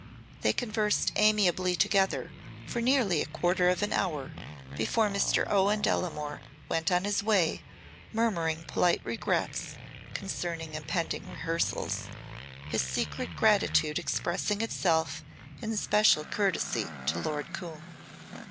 They conversed amiably together for nearly a quarter of an hour before Mr. Owen Delamore went on his way murmuring polite regrets concerning impending rehearsals, his secret gratitude expressing itself in special courtesy to Lord Coombe.